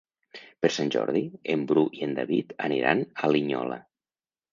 Per Sant Jordi en Bru i en David aniran a Linyola.